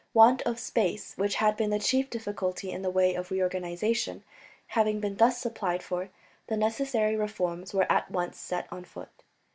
Want of space, which had been the chief difficulty in the way of reorganization, having been thus supplied for, the necessary reforms were at once set on foot.